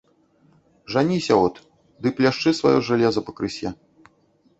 Жаніся от, ды пляшчы сваё жалеза пакрысе.